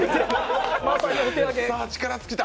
力尽きた。